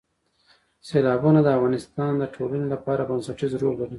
سیلابونه د افغانستان د ټولنې لپاره بنسټيز رول لري.